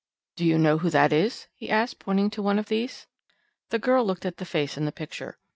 "Do you know who that is?" he asked, pointing to one of these. The girl looked at the face on the picture.